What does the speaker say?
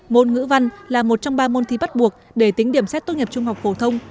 môn ngữ văn là một trong ba môn thi bắt buộc để tính điểm xét tốt nghiệp trung học phổ thông